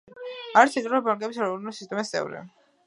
არის ცენტრალური ბანკების ევროპული სისტემის წევრი.